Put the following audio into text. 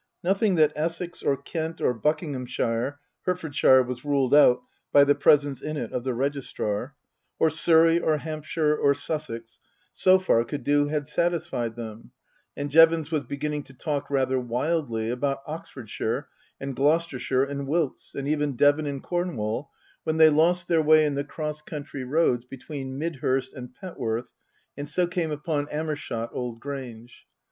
Nothing that Essex or Kent or Buckingham shire (Hertfordshire was ruled out by the presence in it of the Registrar) or Surrey or Hampshire or Sussex, so 212 Book II : Her Book 213 far, could do had satisfied them, and Jevons was beginning to talk rather wildly about Oxfordshire and Gloucester shire and Wilts, and even Devon and Cornwall, when they lost their way in the cross country roads between Mid hurst and Petworth and so came upon Amershott Old Grange.